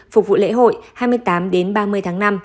phục vụ lễ hội hai mươi tám đến ba mươi tháng năm